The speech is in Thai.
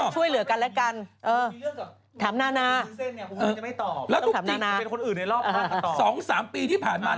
ช่วยเหลือกันและกัน